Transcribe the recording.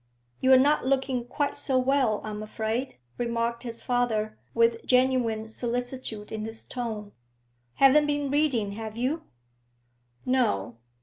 'You're not looking quite so well, I'm afraid,' remarked his father, with genuine solicitude in his tone. 'Haven't been reading, have you?' 'No.'